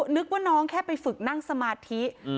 นึกว่าน้องแค่ไปฝึกนั่งสมาธิ